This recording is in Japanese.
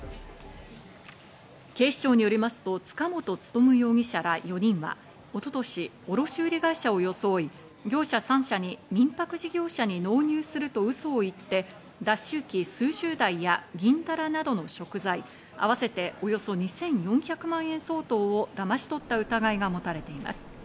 警視庁によりますと塚本勉容疑者ら４人は、一昨年、卸売会社を装い、業者３社に民泊事業者に納入するとうそを言って、脱臭機数十台や銀ダラなどの食材、合わせておよそ２４００万円相当をだまし取った疑いが持たれています。